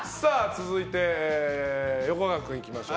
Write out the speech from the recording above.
続いて、横川君いきましょう。